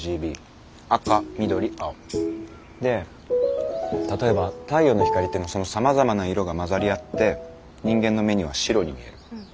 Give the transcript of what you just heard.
赤緑青。で例えば太陽の光っていうのはさまざまな色が混ざり合って人間の目には白に見える。